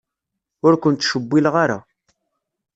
Ur ken-ttcewwileɣ ara.